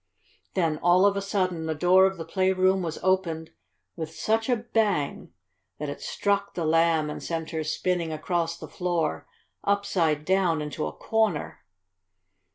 Then, all of a sudden, the door of the playroom was opened with such a bang that it struck the Lamb and sent her spinning across the floor, upside down, into a corner.